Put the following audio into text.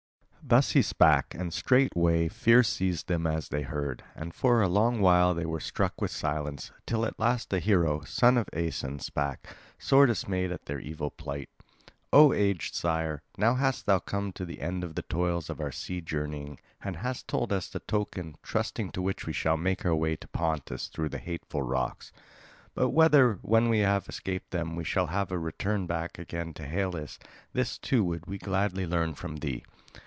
Thus he spake, and straightway fear seized them as they heard. And for a long while they were struck with silence; till at last the hero, son of Aeson, spake, sore dismayed at their evil plight: "O aged sire, now hast thou come to the end of the toils of our sea journeying and hast told us the token, trusting to which we shall make our way to Pontus through the hateful rocks; but whether, when we have escaped them, we shall have a return back again to Hellas, this too would we gladly learn from thee.